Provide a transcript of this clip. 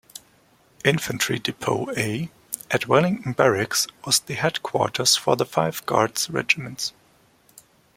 Infantry Depot A at Wellington Barracks was the headquarters for the five guards regiments.